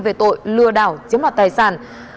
về tội lừa đảo chiếm đoạt tài sản